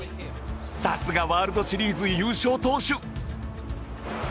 さすがワールドシリーズ優勝投手！